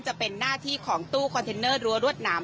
จะเป็นหน้าที่ของตู้คอนเทนเนอร์รั้วรวดหนาม